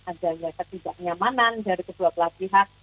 adanya ketidaknyamanan dari kedua belah pihak